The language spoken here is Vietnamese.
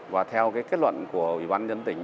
và theo kết luận của ủy ban nhân tỉnh